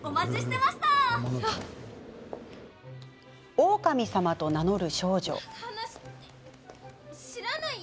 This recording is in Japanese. オオカミさまと名乗る少女。